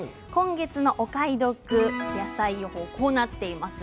今月のお買い得お野菜予報はこうなっています。